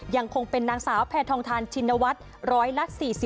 ยังคงเป็นนางสาวแพทองทานชินวัตร๑๔๑๙๑